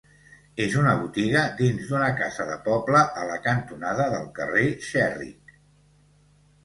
És una botiga dins d'una casa de poble a la cantonada del carrer Xerric.